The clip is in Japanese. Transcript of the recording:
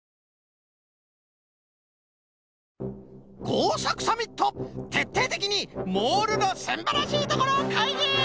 こうさくサミットてっていてきにモールのすんばらしいところかいぎ！